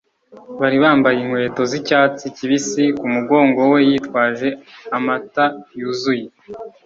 bari bambaye inkweto z'icyatsi kibisi. ku mugongo we yitwaje amata yuzuye